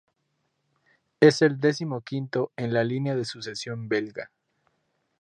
Es el decimoquinto en la línea de sucesión belga.